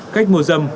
cách mua dâm